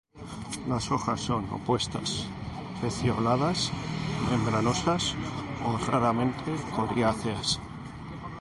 Las hojas son opuestas, pecioladas, membranosas o raramente coriáceas.